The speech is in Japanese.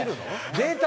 データ？